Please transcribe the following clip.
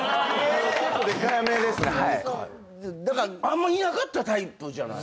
あんまいなかったタイプじゃない？